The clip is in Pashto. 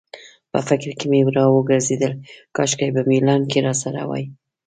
په فکر کې مې راوګرځېدل، کاشکې په میلان کې راسره وای.